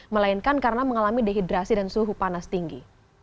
melainkan karena mengalami dehidrasi dan suhu panas tinggi